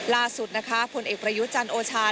ล่าสุดนะคะผลเอกประยุจันทร์โอชา